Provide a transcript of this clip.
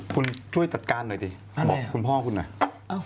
คุณช่วยตัดการหน่อยสิคุณพ่อคุณหน่อยอะไรนะ